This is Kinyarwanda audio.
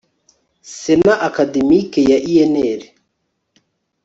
Sena Akademiki ya UNR